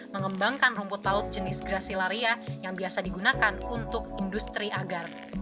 mengembangkan rumput laut jenis gracilaria yang biasa digunakan untuk industri agar